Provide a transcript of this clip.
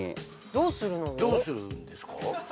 どうするんですか？